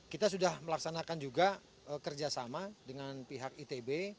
kita sudah melaksanakan juga kerjasama dengan pihak itb